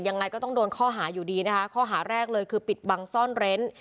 ยังไงก็ต้องโดนข้อหาอยู่ดีนะคะข้อหาแรกเลยคือปิดบังซ่อนเร้น